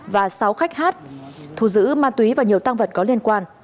và sáu khách hát thù giữ ma túy và nhiều tăng vật có liên quan